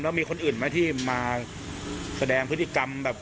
แล้วมีคนอื่นไหมที่มาแสดงพฤติกรรมแบบ